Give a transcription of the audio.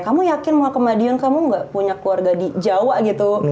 kamu yakin mau ke madiun kamu gak punya keluarga di jawa gitu